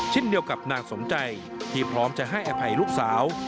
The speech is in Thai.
เช่นเดียวกับนางสมใจที่พร้อมจะให้อภัยลูกสาว